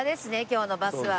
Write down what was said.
今日のバスは。